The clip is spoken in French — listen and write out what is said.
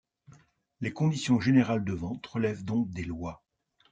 Les conditions générales de ventes relèvent donc des lois.